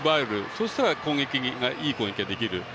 そうしたらいい攻撃ができる。